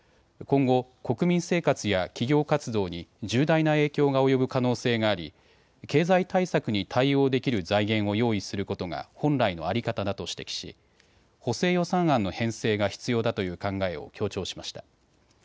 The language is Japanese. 今後、国民生活や企業活動に重大な影響が及ぶ可能性があり経済対策に対応できる財源を用意することが本来の在り方だと指摘し補正予算案の編成が必要だという考えを強調しました。